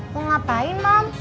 mau ngapain mam